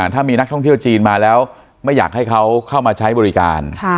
ถ้ามีนักท่องเที่ยวจีนมาแล้วไม่อยากให้เขาเข้ามาใช้บริการ